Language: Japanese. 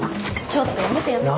ちょっとやめてやめて。